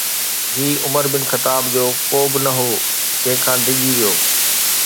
هي Umar bin Khattab جو ڪوب نه هو جنهن کان ڊڄي ويو.